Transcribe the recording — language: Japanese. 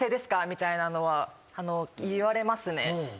みたいなのは言われますね。